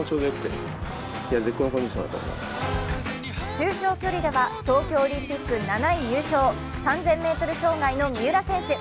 中長距離では東京オリンピック７位入賞、３０００ｍ障害の三浦選手。